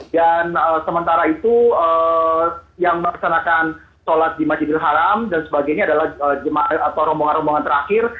dan sementara itu yang melaksanakan sholat di majidul haram dan sebagainya adalah jemaah atau rombongan rombongan terakhir